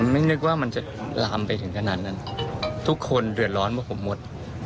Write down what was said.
ไม่นึกว่ามันจะลามไปถึงขนาดนั้นทุกคนเดือดร้อนพวกผมหมด